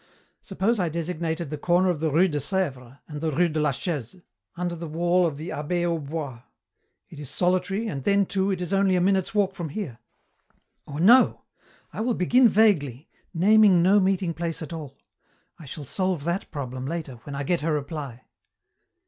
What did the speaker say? Suppose I designated the corner of the rue de Sèvres and the rue de la Chaise, under the wall of the Abbaye au Bois. It is solitary, and then, too, it is only a minute's walk from here. Or no, I will begin vaguely, naming no meeting place at all. I shall solve that problem later, when I get her reply."